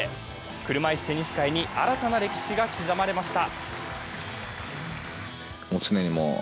車いすテニス界に新たな歴史が刻まれました。